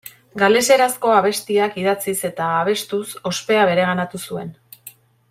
Galeserazko abestiak idatziz eta abestuz ospea bereganatu zuen.